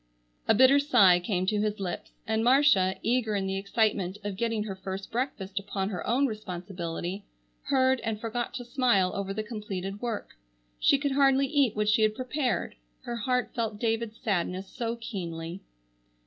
A bitter sigh came to his lips, and Marcia, eager in the excitement of getting her first breakfast upon her own responsibility, heard and forgot to smile over the completed work. She could hardly eat what she had prepared, her heart felt David's sadness so keenly.